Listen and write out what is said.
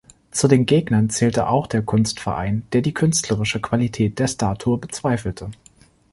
Zu den Gegnern zählte auch der Kunstverein, der die künstlerische Qualität der Statue bezweifelte.